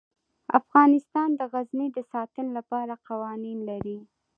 افغانستان د غزني د ساتنې لپاره قوانین لري.